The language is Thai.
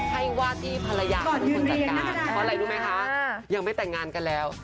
ใครว่าที่ภรรยาคุณคุณจัดการเพราะอะไรรู้ไหมคะยังไม่แต่งงานกันแล้ว